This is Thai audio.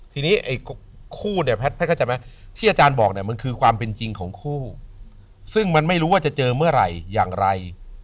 ทีนี้คู่แพทย์ที่อาจารย์บอกมันคือความเป็นจริงของคู่ซึ่งมันไม่รู้ว่าจะเจอเมื่อไหร่อย่างไร